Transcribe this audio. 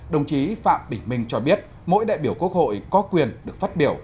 đồng chí phạm bình minh cho biết mỗi đại biểu quốc hội có quyền được phát biểu